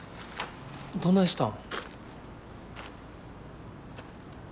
どないしたん。